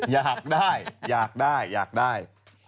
อยากได้อยากได้อยากได้